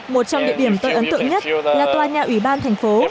một trong địa điểm tôi ấn tượng nhất là tòa nhà ủy ban thành phố